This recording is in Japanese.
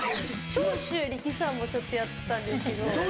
長州力さんもちょっとやってたんですけど。